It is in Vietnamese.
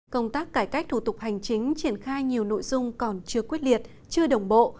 công tác cải cách thủ tục hành chính triển khai nhiều nội dung còn chưa quyết liệt chưa đồng bộ